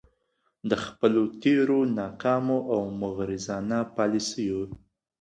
د خپلو تیرو ناکامو او مغرضانه يالیسیو